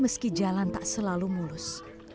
meski jalan tak selalu mulus